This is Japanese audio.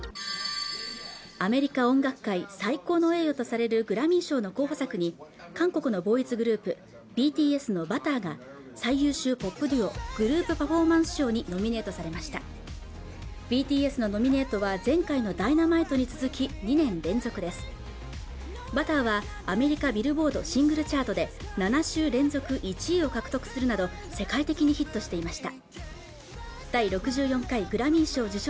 アメリカ音楽界最高の栄誉とされるグラミー賞の候補作に韓国のボーイズグループＢＴＳの「Ｂｕｔｔｅｒ」が最優秀ポップデュオグループパフォーマンス賞にノミネートされましたＢＴＳのノミネートは前回の「Ｄｙｎａｍｉｔｅ」に続き２年連続です「Ｂｕｔｔｅｒ」は米ビルボードシングルチャートで７週連続１位を獲得するなど世界的にヒットしていました